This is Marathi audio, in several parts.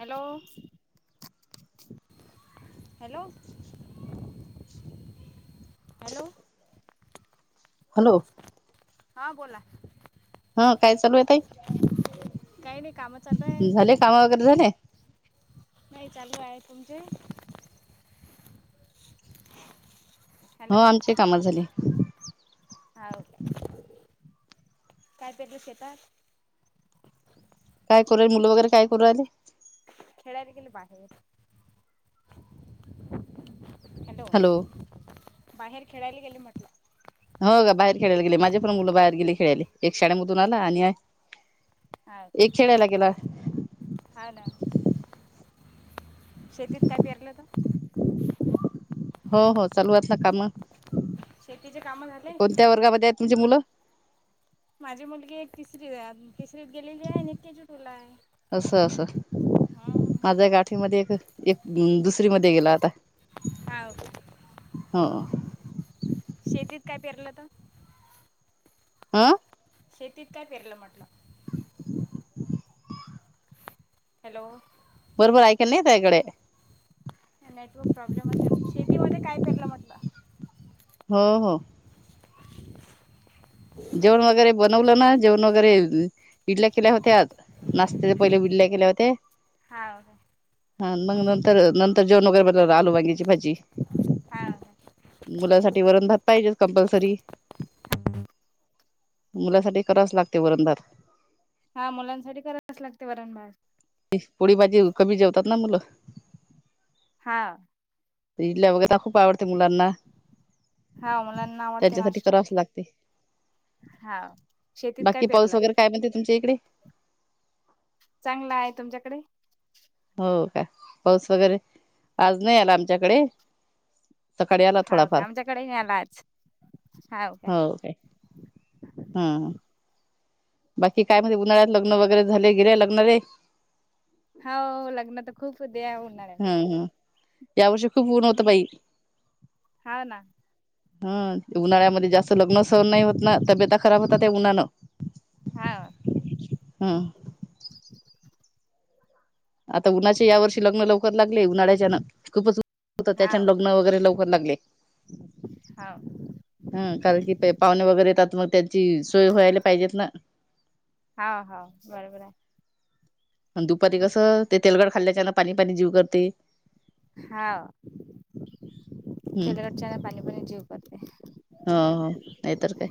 हॅलो. हॅलो. हॅलो. हॅलो. हा बोला. हा काय चालू काही नाही कामं चालू आहे आहेेतई झाले काम वगैरे झाले. नाही चालू आहे तुमचे. हो हॅलो आमचे काम झाली. हा काय पेटूस येतात. काय करूल मुलं वगैरे काय करू रायले. ळा गेले बाहेर हॅलो. बाहेर खेळायला गेले म्हटलं. हो का बाहेर खेळायला गेले माझे पण मुलं बाहेर गेली खेळाले एक शाळेमधून आला आणि एक खेळायला गेला हा ना. शेतीत काय पेरलं तर हो हो चालूतलं काम. शेतीचे काम झाले. तुजे मुलं. माझी मुलगी एक तिसरी आहे अजून. तिसरीत गेलेली आहे नकीचूटला आहे. हा आझ एक ग आठवीमध्ये एक एक दुसरी मध्ये गेला आता. हाव. हो. शेतीत काय पिरलं त. आं. शेतीत काय परल म्हटलं. [inaudible] हॅलो बरोबर ऐकाला नाय येत त्या इकडे नेटवर्क प्रॉब्लेम असेनं शेतीमध्ये काय पेरलं म्हटलं. हो हो [inaudible] जेवण वगैरे बनवलं ना जेवण वगैरे इ इडल्या केल्या होत्या नाशत्याच्या पहिले इडल्या केल्या होत्या. हाव काय. हा मग नंतर नंतर जेवण वगैरे बनवल आलू वांग्याची भाजी. हा मुलासाठी वरण भात पाहिजेचं कंपल्सरी. मुलासाठी करावच लागत वरण भात. हा मुलांसाठी कराच लागतय वरण भात. पोळी भाजी कमी जेवतात ना मुलं. हा ते इडल्या वगैर त्या खूप आवडते मुलांना हा मुलांना आवडते त्यांच्यासाठी नाश्ता. करावच लागते. हाव शेतीत काय बाकी पाऊस पेरलं? वगैरे काय म्हणते तुमच्या इकडे चांगला आहे तुमच्याकडे हो का पाऊस वगैरे आज नाही आला आमच्याकडे सकाळी आला हाव का थोडाफार आमच्याकडे नाही आला आज हाव का? हो काय. हम्म बाकी काय म्हणते उन्हाळ्यात लग्न वगैरे झाले गेलेलं लग्न रे हो लग्न तर खूप होते या उन्हाळ्यात हम्म हम् या वर्षी खूप ऊन होत हम्म बाई हाव ना. हा उन्हाळयामध्ये जास्त लग्न सहन नाही होत ना तब्येता खराब होतात हया उन्हानं हाव हम्म आता उन्हाच्या या वर्षी लग्न लवकर लागले. उन्हाळ्याच्यानं खूपच होतं त्याच्याने हाव लग्न वगैरे लवकर लागले. हाव हा कारण की ते पाहुणे वगैरे येतात मग त्यांची सोय व्हायला पाहिजेत ना. हाव हाव बरोबर आहे. आणि दुपारी कसं ते तेलकट खाल्ल्याच्यान पाणी पाणी जीव करते. हाव हम् तेलकटच्याने पाणीपाणी जीव करते. हो हो नाही तर काय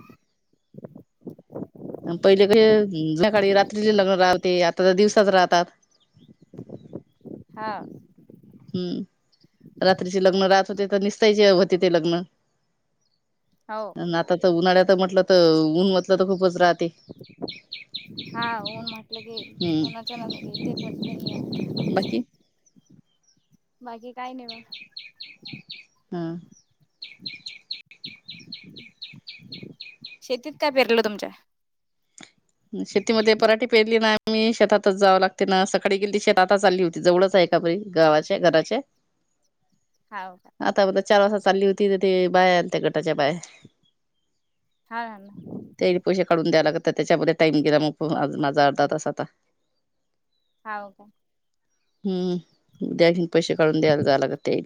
पहिले कस सकाडी रात्रीचे लग्न राहते आता तर दिवसाच राहतात. हाव ह रात्रीचे लग्न राहत होते तर निसतायचे होते ते लग्न हो अनं आता तर उन्हाळ्यात म्हटलं तर ऊन म्हटलं तर खूपच राह हा ऊन म्हटलं की हम्म उन्हाच्या ना इथे [unintelligible] नाही ये. बाकी बाकी काय नाही बा हा [inaudible] शेतीत काय पेरलं तुमच्या? शेतीमध्ये पराठीे पेरली ना आम्ही शेतातच जावं लागते ना सकाळी गेडती शेतात आता चालली होती जवडच आहे. [unintelligible] गावाचे घराचे हाव का? चार वाजता चालली होती तर ते बाया आलत्या गटाच्या बाया हा ना त्याजे पैसे काढून द्याय लागत त्याच्यामध्ये टाईम गेला मग माझा अर्धा तास आता [unintelligible] हम्म, उद्या घेऊन पैसे काढून द्यायला जायला लागतय.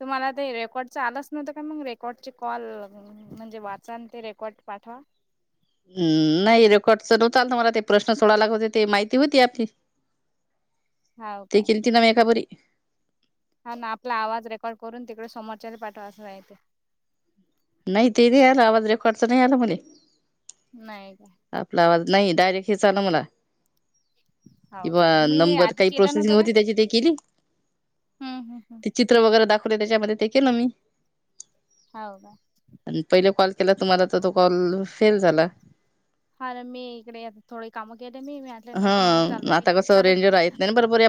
तुम्हाला ते रेकॉर्ड च, आलाच नव्हतं का? मग रेकॉर्डचे कॉल, म्हणजे वाचा ते रेकॉर् पाठवा. हम्, नाही रेकॉर्डच नव्हत, आ मला ते प्रश्न सोडायला लागते ते माहिती होती आपली हाव ते काय? केलती न मी एका बरी. हा ना, आपला आवाज रेकॉर्ड करून, तिकड समोरच्याला पाठवाचंय ते. नाही, ते नाही आलं. आवाज रेकॉर्डच नाही आल, मले. नाही. काय आपला आवाज नाही, डायरेक्ट हेच आल मला. हाव किंवा काय तुम्ही हे नंबर आधी काही केलं नव्हतं प्रोसेसिंग काय? होती. त्याची ते केली. हम्म हम्म हम्म ते चित्र वगैरे दाखवले, त्याच्यामध्ये ते केलं मी. हाव काय? आणि पहिल कॉल केला तुम्हाला, तर तो कॉल फेल झाला. [unintelligible] मी इकडे थोडी काम केले मी, हा नेट मग चालू केलं, की चालू केलं.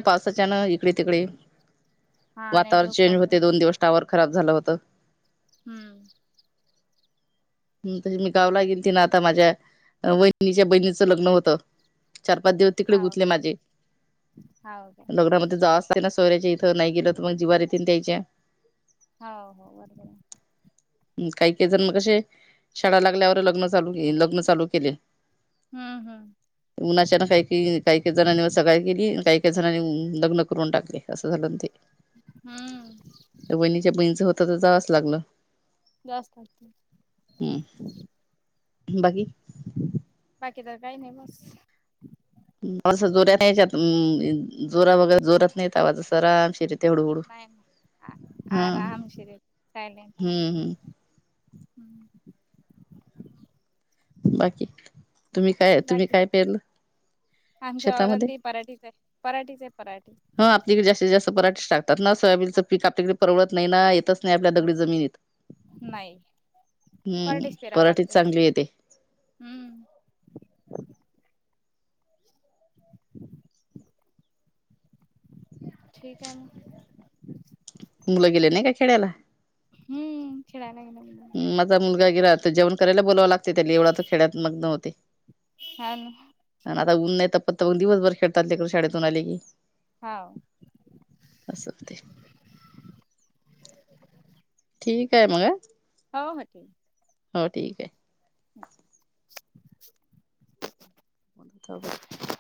पावसाच्यान इकडे- तिकडे. हा वातावरण नेटवर्क चेंज प्रॉब्लेम होते. दोन राहते. दिवस टावर खराब झालं होत. हम्म. हम्, त मी गावला गेलति ना आता माझ्या. वहिनीच्या, बहिणीचं लग्न होत. चार - पाच दिवस तिकडे हाव गुंतले माझे. हाव काय? लॉकडाऊन मध्ये जाव लागतं ना सोयऱ्याच्या इथं, नाही गेलं तर मग जिवार येथ त्या्यच्या. हा, हो. बरबरय. काही -काही जण मग अशे, शाळा लागल्यावर लग्न चालू लग्न चालू केले. हम्म, हम्म. उनाच्यानं काही-काही, काही - काही जणांनी सगाळ केली आणि काही -काही जणांनी लग्न करून टाकले. असं झालं न ते. हम्म तर वहिणीच्या बहीणीच होत, तर जावच लागलं. हम्म [unintelligible] बाकी [inaudible] बाकी तर काही नाही बस. असं, जोऱ्या नाहीच्या जोरा वगैर जोरात नाही आवाज अस आरामशीर हळूहळू नाही नाही हा आरामशिरय हम्म हम्म [unintelligible] [unintelligible] बाकी तुम्ही काय तुम्ही बाकी. काय पेरलं आमच्या वावरात शेतामध्ये बी कर पराठीेचय, पराठीेचे आहे पराठीे. ह आपलीकडे जास्तीत जास्त पराठीे टाकतात ना. सोयाबीनचं पीक आपल्याकडे परवडत नाही ना. येत नाही आपल्या दगडी जमिनीत. नाही हम्म, पराठीच पेरावं पराठीेच लागतंय चांगली येते. हम्म [unintelligible] ठीकाय म. [inaudible] मुलं गेले नाही का खेड्याला? हम्म खेळायला गेले माझा मुलगा गेला आता. जेवण करायला बोलावं लागते त्याला, एवढा तर खेळ्यात मग्न व्हते. हाव आणि आता ऊन नाही त पत दिवसभर खेळतात लेकरं, शाळेतून आले की. हो अस होतंय. [unintelligible] ठीकाय मग अ. हो, हो. ठी हो ठीकय. [unintelligible]